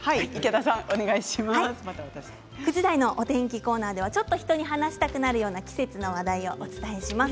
９時台のお天気コーナーではちょっと人の話したくなるような季節の話題をお伝えします。